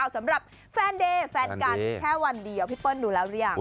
สำหรับแฟนเดย์แฟนกันแค่วันเดียวพี่เปิ้ลดูแล้วหรือยัง